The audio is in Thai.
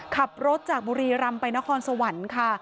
ขับรถจากบุรีรำไปนครสวรรค์ค่ะ